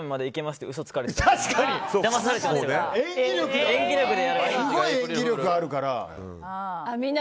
すごい演技力があるから。